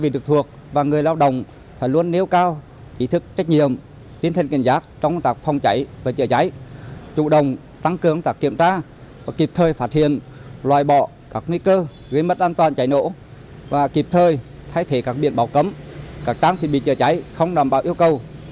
loại bỏ các nguy cơ gây mất an toàn cháy nổ và kịp thời thay thế các biện bảo cấm các trang thiết bị cháy cháy không đảm bảo yêu cầu